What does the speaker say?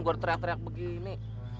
gue teriak teriak begini